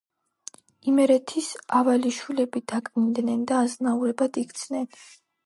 იმერეთის ავალიშვილები დაკნინდნენ და აზნაურებად იქცნენ.